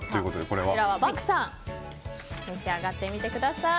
これは漠さん召し上がってみてください。